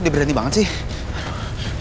dia berani banget sih